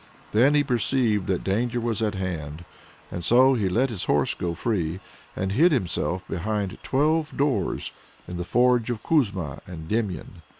Then he perceived that danger was at hand, and so he let his horse go free, and hid himself behind twelve doors in the forge of Kuzma and Demian.